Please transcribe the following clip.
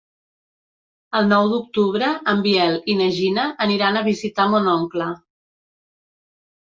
El nou d'octubre en Biel i na Gina aniran a visitar mon oncle.